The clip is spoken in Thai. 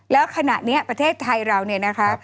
แล้วขณะนี้ประเทศไทยเราเนี่ยนะครับ